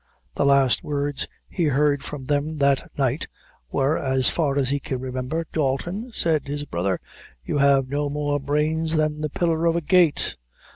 The last words he heard from them that night were, as far as he can remember "Dalton," said his brother, "you have no more brains than the pillar of a gate."